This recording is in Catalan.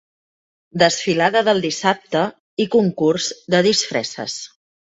Desfilada del dissabte i concurs de disfresses.